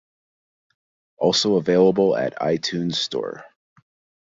Also available at iTunes Store.